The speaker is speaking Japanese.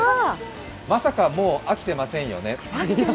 まさか、もう飽きてませんよね？